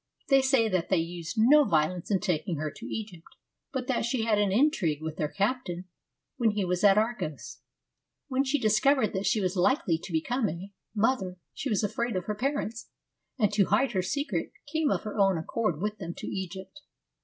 They say that they used no violence in taking her to Egypt, but that she had an intrigue with their captain when he was at Argos. When she discovered that she was likely to become a 66 FEMINISM IN GREEK LITERATURE mother she was afraid of her parents, and to hide her secret came of her own accord with them to Egypt.'